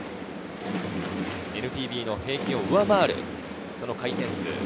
ＮＰＢの平均を上回る回転数。